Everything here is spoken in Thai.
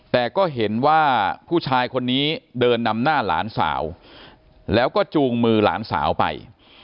แต่ก็เห็นว่าผู้ชายคนนี้เดินนำหน้าหลานสาวแล้วก็จูงมือหลานสาวไป